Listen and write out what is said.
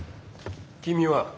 君は？